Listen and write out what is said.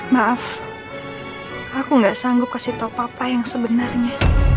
maaf aku gak sanggup kasih tau papa yang sebenarnya